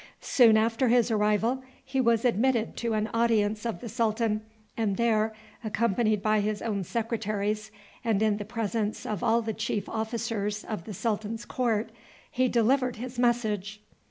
Soon after his arrival he was admitted to an audience of the sultan, and there, accompanied by his own secretaries, and in the presence of all the chief officers of the sultan's court, he delivered his message.